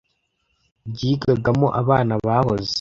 ryigagamo abana bahoze